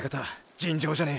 尋常じゃねェ！！